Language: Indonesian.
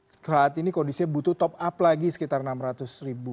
saat ini kondisinya butuh top up lagi sekitar enam ratus ribu